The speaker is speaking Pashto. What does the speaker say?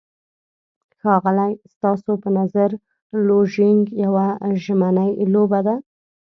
ښاغلی، ستاسو په نظر لوژینګ یوه ژمنی لوبه ده؟